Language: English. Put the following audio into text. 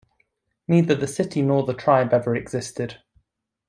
Neither the city nor the tribe ever existed.